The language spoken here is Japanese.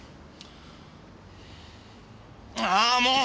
あーもう！